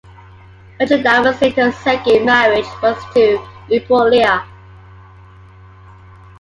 Archidamus' later second marriage was to Eupoleia.